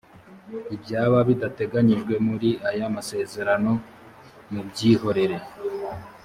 ibyaba bidateganyijwe muri aya masezerano mubyihorere